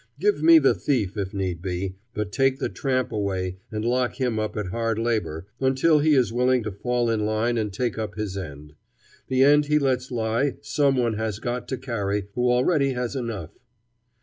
Give me the thief if need be, but take the tramp away and lock him up at hard labor until he is willing to fall in line and take up his end. The end he lets lie some one has got to carry who already has enough.